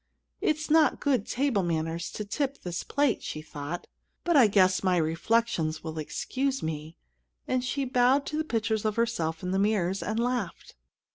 "It's not good table manners to tip this plate," she thought; "but I guess my reflections will excuse me," and she bowed to the pictures of herself in the mirrors, and laughed.